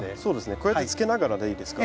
こうやってつけながらでいいですか？